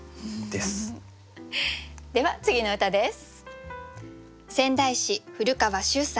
では次の歌です。